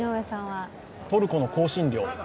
トルコの香辛料？